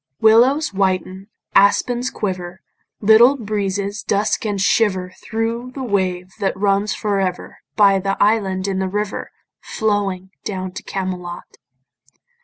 Willows whiten, aspens quiver, Little breezes dusk and shiver Thro' the wave that runs for ever By the island in the river Flowing down to Camelot.